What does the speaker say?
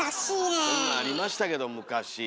そんなんありましたけど昔。